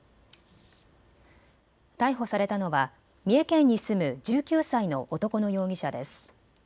逮捕されたのは三重県に住む１９歳の男の容疑者です。